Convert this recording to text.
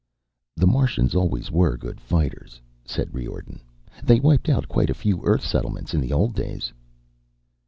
"The Martians always were good fighters," said Riordan. "They wiped out quite a few Earth settlements in the old days."